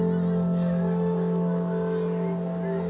ขอบคุณครับ